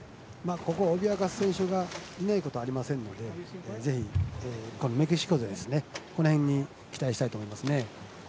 ここを脅かす選手がいないことはありませんのでぜひメキシコ勢に注目したいと思います。